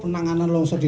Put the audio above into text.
penanganan di indonesia